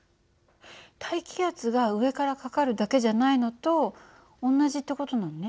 大気圧が上からかかるだけじゃないのと同じって事なのね。